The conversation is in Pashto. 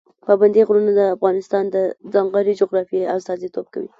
پابندي غرونه د افغانستان د ځانګړې جغرافیې استازیتوب کوي.